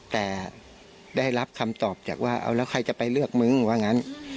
แต่ได้รับคำตอบจากว่าเอาแล้วใครจะไปเลือกมึงว่างั้น